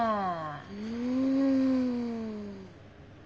うん。